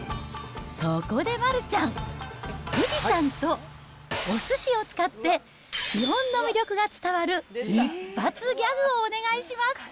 そこで丸ちゃん、富士山とおすしを使って、日本の魅力が伝わる一発ギャグをお願いします。